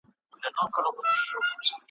لیکلې `